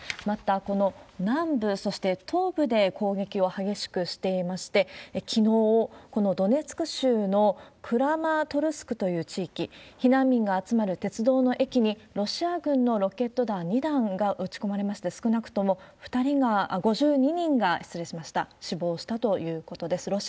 また、この南部、そして東部で攻撃を激しくしていまして、きのう、このドネツク州のクラマトルスクという地域、避難民が集まる鉄道の駅にロシア軍のロケット弾２弾が撃ち込まれまして、少なくとも５２人が死亡したということです。